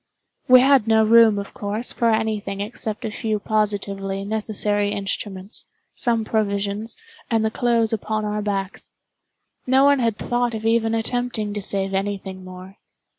We had no room, of course, for any thing except a few positively necessary instruments, some provisions, and the clothes upon our backs. No one had thought of even attempting to save any thing more.